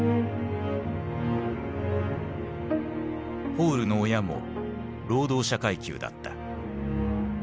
ポールの親も労働者階級だった。